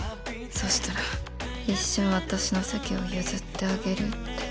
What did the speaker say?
そしたら一生アタシの席を譲ってあげる」って。